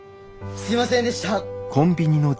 すいませんでした。